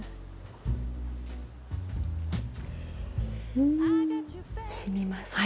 うん！しみます。